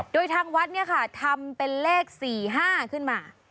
โดยทางวัดทำเป็นเลข๔๕ขึ้นมา